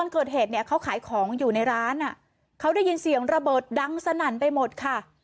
เกิดเหตุเนี่ยเขาขายของอยู่ในร้านเขาได้ยินเสียงระเบิดดังสนั่นไปหมดค่ะ